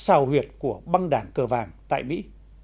sào huyệt của băng đảng cờ vàng tại mỹ